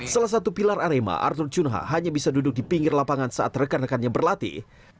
salah satu pilar arema arthur cunha hanya bisa duduk di pinggir lapangan saat rekan rekannya berlatih